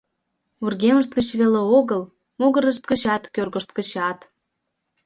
Вургемышт гыч веле огыл, могырышт гычат, кӧргышт гычат.